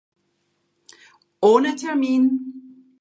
Ohne Termin!